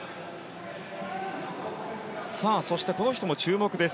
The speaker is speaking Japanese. さあ、この人も注目です